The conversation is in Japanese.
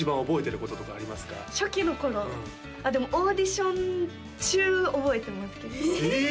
うんあっでもオーディション中覚えてますけどえ！？え！？